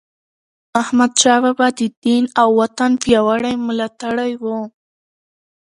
احمدشاه بابا د دین او وطن پیاوړی ملاتړی و.